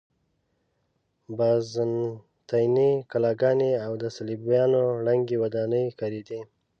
بازنطیني کلاګانې او د صلیبیانو ړنګې ودانۍ ښکارېدې.